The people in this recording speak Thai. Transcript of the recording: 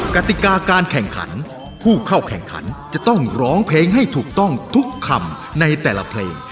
กติกาการแข่งขันผู้เข้าแข่งขันจะต้องร้องเพลงให้ถูกต้องทุกคำในแต่ละเพลง